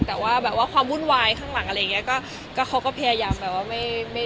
แต่ว่าความวุ่นวายข้างหลังก็ประยับไม่ปล่อยคุ้มมาก